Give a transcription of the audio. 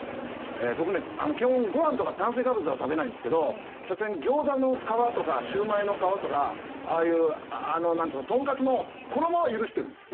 僕ね基本ごはんとか炭水化物は食べないんですけどさすがに餃子の皮とか焼売の皮とかああいうとんかつの衣は許してるんです。